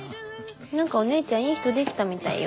何かお姉ちゃんいい人できたみたいよ。